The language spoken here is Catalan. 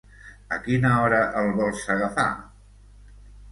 A quina hora el vols agafar?